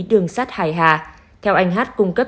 đường sắt hải hà theo anh h cung cấp